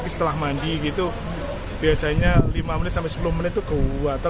setelah mandi gitu biasanya lima sepuluh menit itu gatal